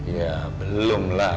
ya belum lah